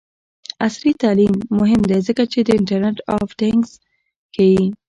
عصري تعلیم مهم دی ځکه چې د انټرنټ آف تینګز ښيي.